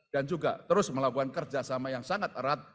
dan juga terus melakukan kerjasama yang sangat erat